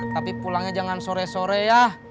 tapi pulangnya jangan sore sore ya